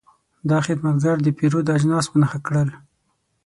دا خدمتګر د پیرود اجناس په نښه کړل.